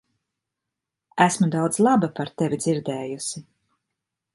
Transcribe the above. Esmu daudz laba par tevi dzirdējusi.